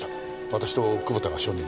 私と久保田が証人です。